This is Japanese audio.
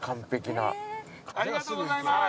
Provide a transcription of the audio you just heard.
ありがとうございます。